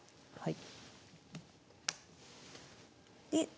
はい。